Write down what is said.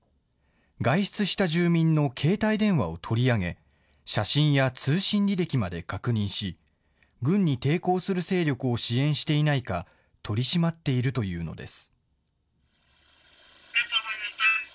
外出した住民の携帯電話を取り上げ、写真や通信履歴まで確認し、軍に抵抗する勢力を支援していないか、取り締まっているというのです。